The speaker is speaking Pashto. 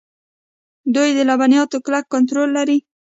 دوی د لبنیاتو کلک کنټرول لري.